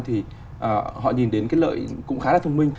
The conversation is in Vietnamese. thì họ nhìn đến cái lợi cũng khá là thông minh